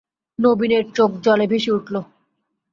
নবীনের চোখ জলে ভেসে উঠল।